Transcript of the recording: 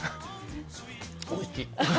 おいしい。